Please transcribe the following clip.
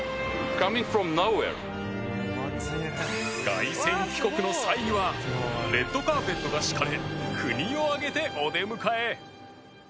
凱旋帰国の際にはレッドカーペットが敷かれ国を挙げてお出迎え